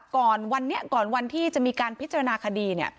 ก่อนวันที่จะมีการพิจารณาคดี